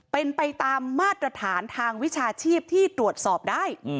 เป็นไปตามมาตรฐานทางวิชาชีพที่ตรวจสอบได้